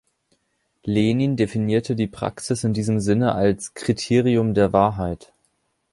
Lenin definierte die Praxis in diesem Sinne als „Kriterium der Wahrheit“.